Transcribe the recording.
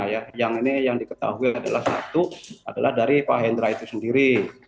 yang ini yang diketahui adalah satu adalah dari pak hendra itu sendiri